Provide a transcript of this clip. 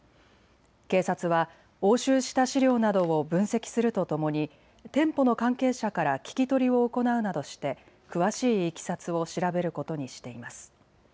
警察は押収した資料などを分析するとともに店舗の関係者から聞き取りを行うなどして詳しいいきさつを調べることにしています。